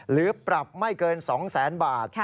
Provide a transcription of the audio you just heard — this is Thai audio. หรือปรับไม่เกิน๒๐๐๐๐๐บาท